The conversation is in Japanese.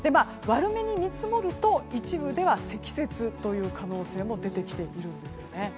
悪めに見積もると一部では積雪という可能性も出てきているんですね。